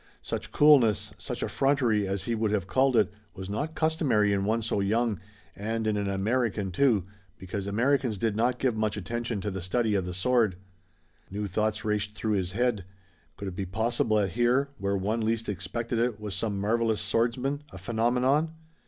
Such coolness, such effrontery, as he would have called it, was not customary in one so young, and in an American too, because Americans did not give much attention to the study of the sword. New thoughts raced through his head. Could it be possible that here, where one least expected it, was some marvelous swordsman, a phenomenon?